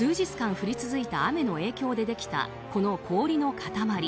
降り続いた雨の影響でできた、この氷の塊。